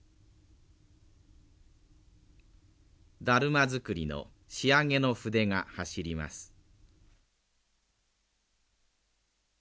だるま作りの仕上げの筆が走ります。